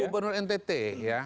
gubernur ntt ya